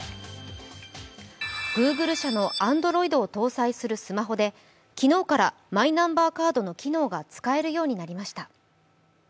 Ｇｏｏｇｌｅ社のＡｎｄｒｏｉｄを導入するスマホで昨日からマイナンバーカードの機能が使えるようになりました。